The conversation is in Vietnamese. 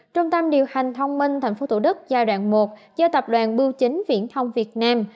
trung tâm điều hành thông minh tp thủ đức giai đoạn một do tập đoàn bưu chính viễn thông việt nam